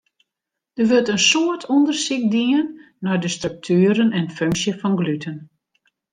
Der wurdt in soad ûndersyk dien nei de struktueren en funksje fan gluten.